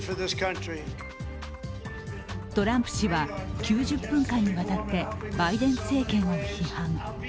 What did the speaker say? トランプ氏は９０分間にわたってバイデン政権を批判。